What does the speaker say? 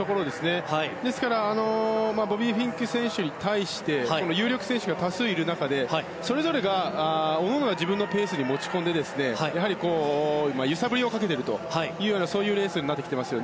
ですからボビー・フィンク選手に対して有力選手が多数いる中でそれぞれが各々が自分のペースに持ち込んで揺さぶりをかけているというそういうレースになってきています。